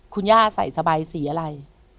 คุณย่าใส่สบายสีอะไร